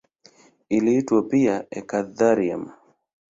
Iliitwa pia eka-thallium.